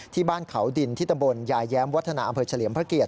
ที่บ้านเขาดินทิศบนยายแย้มวัฒนาอำเภอเฉลี่ยมพระเกียร์